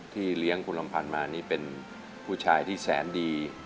เลี้ยงคุณลำพันธ์มานี่เป็นผู้ชายที่แสนดี